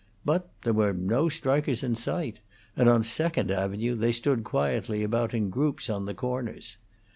But there were no strikers in sight, and on Second Avenue they stood quietly about in groups on the corners.